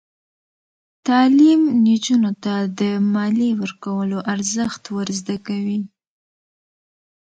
تعلیم نجونو ته د مالیې ورکولو ارزښت ور زده کوي.